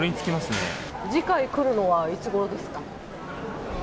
次回来るのはいつごろですか。